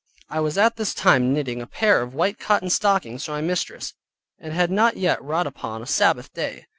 I was at this time knitting a pair of white cotton stockings for my mistress; and had not yet wrought upon a Sabbath day.